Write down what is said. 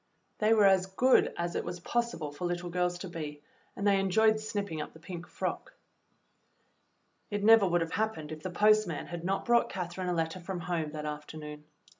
They were as good as it was possible for little girls to be, and they enjoyed snipping up the pink frock. It never would have happened if the postman had not brought Catherine a letter from home that after noon.